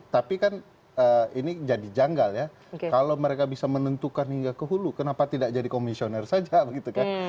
tapi kan ini jadi janggal ya kalau mereka bisa menentukan hingga ke hulu kenapa tidak jadi komisioner saja begitu kan